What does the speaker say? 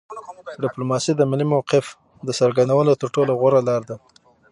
ډیپلوماسي د ملي موقف د څرګندولو تر ټولو غوره لار ده